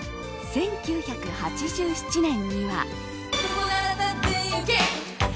１９８７年には。